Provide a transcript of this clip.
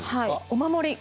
お守り。